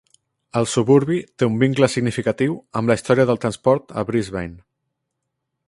El suburbi té un vincle significatiu amb la història del transport a Brisbane.